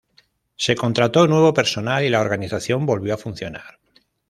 Se contrató nuevo personal y la organización volvió a funcionar.